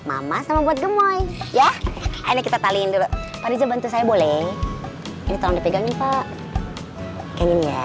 mama sama buat gemoy ya ini kita taliin dulu pada bantu saya boleh ini tolong dipegangin pak